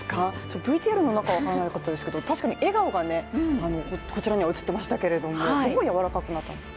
ＶＴＲの中では分からなかったですけど、確かに笑顔がこちらには映っていましたけどどうやわらかくなったんですか？